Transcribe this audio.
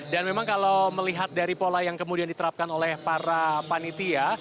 dan memang kalau melihat dari pola yang kemudian diterapkan oleh para panitia